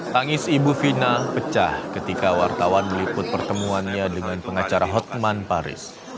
tangis ibu fina pecah ketika wartawan meliput pertemuannya dengan pengacara hotman paris